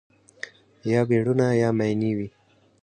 یا مېړونه یا ماينې وي